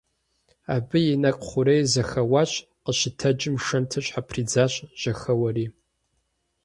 Абы и нэкӀу хъурейр зэхэуащ, къыщытэджым шэнтыр щхьэпридзащ, жьэхэуэри.